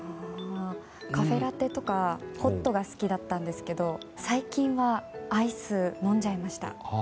カフェラテとかホットが好きだったんですが最近はアイス、飲んじゃいました。